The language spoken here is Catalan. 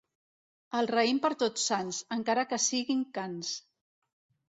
El raïm per Tots Sants, encara que siguin cants.